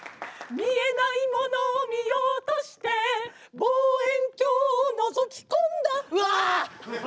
「見えないモノを見ようとして」「望遠鏡を覗き込んだ」わ！